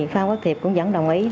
phan quốc thiệp cũng vẫn đồng ý